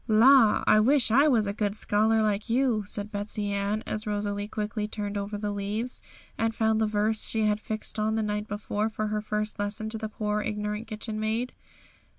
'La! I wish I was a good scholar like you,' said Betsey Ann, as Rosalie quickly turned over the leaves, and found the verse she had fixed on the night before for her first lesson to the poor ignorant kitchen maid.